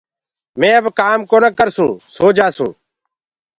مين اب ڪآم ڪونآ ڪرسون سو جآسون